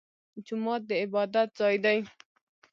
جومات د عبادت ځای دی